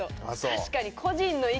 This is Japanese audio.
確かに。